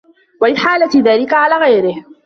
وَإِحَالَةِ ذَلِكَ عَلَى غَيْرِهِ